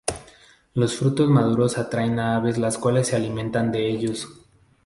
Los frutos maduros atraen a aves las cuales se alimentan de ellos.